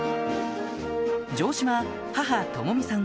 城島母・朋美さん